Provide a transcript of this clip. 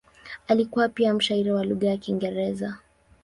Alikuwa pia mshairi wa lugha ya Kiingereza.